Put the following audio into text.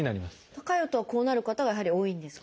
高い音はこうなる方がやはり多いんですか？